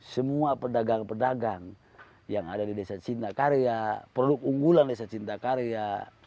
semua pedagang pedagang yang ada di desa cintakarya produk unggulan desa cintakarya